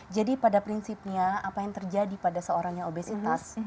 jadi pada prinsipnya apa yang terjadi pada seorang yang obesitas